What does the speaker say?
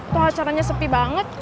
tuh acaranya sepi banget